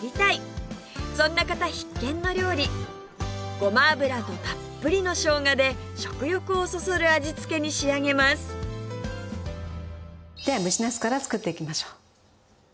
ごま油とたっぷりのしょうがで食欲をそそる味付けに仕上げますでは蒸しなすから作っていきましょう。